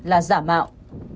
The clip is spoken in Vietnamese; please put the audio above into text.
là giả mạo